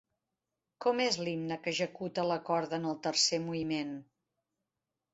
Com és l'himne que executa la corda en el tercer moviment?